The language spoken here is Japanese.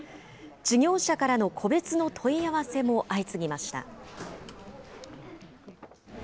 事業者からの個別の問い合わせも相次ぎました。